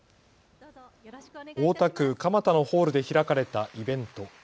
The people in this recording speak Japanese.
大田区蒲田のホールで開かれたイベント。